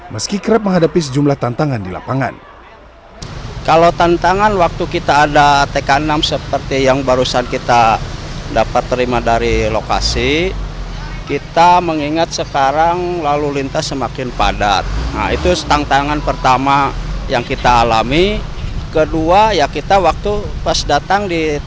meski kerap menghadapi sejumlah tantangan di lapangan